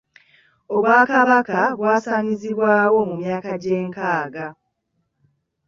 Obwakabaka bwasaanyizibwawo mu myaka gy'enkaaga.